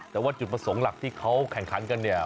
แต่ว่าจุดประสงค์หลักที่เขาแข่งขันกันเนี่ย